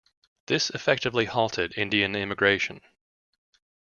This effectively halted Indian immigration.